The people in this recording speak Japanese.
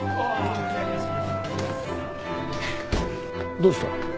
どうした？